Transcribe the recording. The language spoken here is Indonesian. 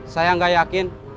saya enggak yakin